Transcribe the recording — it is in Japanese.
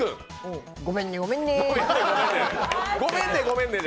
ごめんね、ごめんね。